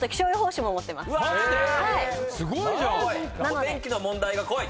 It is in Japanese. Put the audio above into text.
お天気の問題がこい！